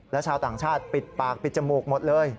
และชาวต่างชาติปิดปากปิดจมูกหมดเลย